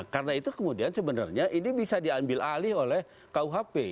karena itu kemudian sebenarnya ini bisa diambil alih oleh kuhp